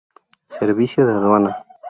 Servicio de aduana.